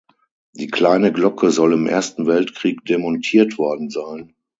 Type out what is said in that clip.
Die kleine Glocke soll im Ersten Weltkrieg demontiert worden sein.